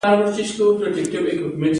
اداره باید د رشوت څخه پاکه وي.